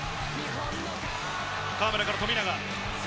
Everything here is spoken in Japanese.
河村から富永。